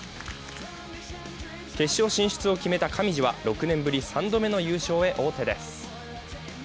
決勝進出を決めた上地は、６年ぶり３度目の優勝へ王手です。